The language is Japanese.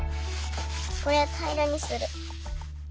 こうやってたいらにする。